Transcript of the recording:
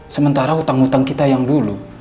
sementara utang utang kita yang dulu